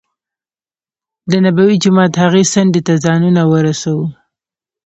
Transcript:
دنبوي جومات هغې څنډې ته ځانونه ورسو.